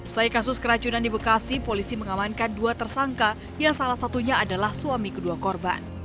setelah kasus keracunan di bekasi polisi mengamankan dua tersangka yang salah satunya adalah suami kedua korban